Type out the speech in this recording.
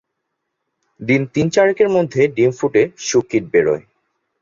দিন তিন-চারেকের মধ্য ডিম ফুটে শূককীট বেরোয়।